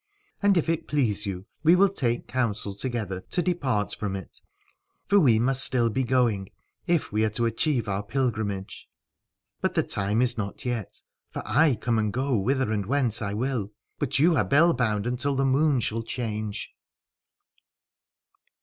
And if it please y.ou, we will take counsel together to depart from it : for we must still be going if we are to achieve our pilgrimage. But the time is not yet : for I come and go whither and whence I will, but you are bell bound until the moon shall change.